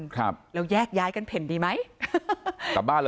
ครับแล้วยากย้ายกันเห็นดีไหมครับ